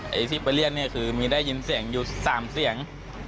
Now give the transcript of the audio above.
ไอ้ที่ไปเรียกเนี่ยคือมีได้ยินเสียงอยู่๓เสียง